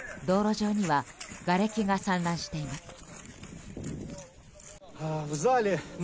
道路上にはがれきが散乱しています。